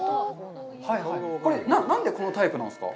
これ、何でこのタイプなんですか。